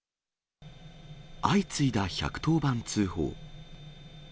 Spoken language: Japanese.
相次いだ１１０番通報。